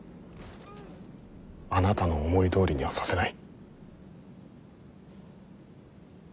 あなたの思いどおりにはさせない。